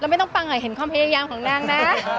ไม่ต้องปังเห็นความพยายามของนางนะ